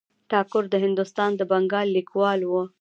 ټاګور د هندوستان د بنګال لیکوال و.